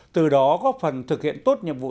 từ đó góp phần thực hiện tốt nhiệm vụ